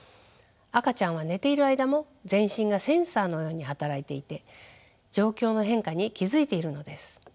赤ちゃんは寝ている間も全身がセンサーのように働いていて状況の変化に気付いているのです。